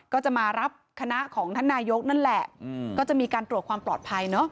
ก็จะมารับคณะของท่านนายก็จะมีการตรวจความปลอดภัย